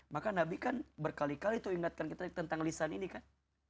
maka nabi kan berkali kali tuh ingatkan kita tentang lisan ini kan